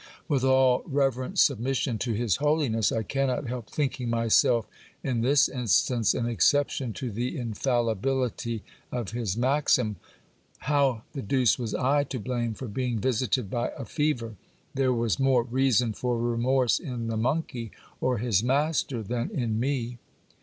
With all reverent submission to his holi ness, I cannot help thinking myself in this instance an exception to the infalli 274 GIL BLAS. bility of his maxim. How the deuce was I to blame for being visited by a fever ? There was more reason for remorse in the monkey or his master than in me.